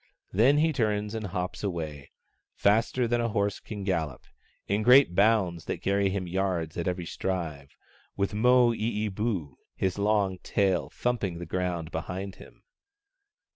Then he turns and hops away, faster than a horse can gallop, in great bounds that carry him yards at every stride, with Moo ee boo, his long tail, thumping the ground behind him.